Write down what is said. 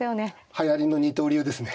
はやりの二刀流ですね。